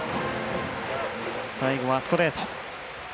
最後はストレート。